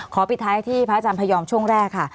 ปิดท้ายที่พระอาจารย์พยอมช่วงแรกค่ะ